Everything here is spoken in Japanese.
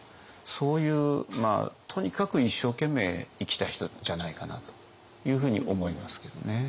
そういうとにかく一生懸命生きた人じゃないかなというふうに思いますけどね。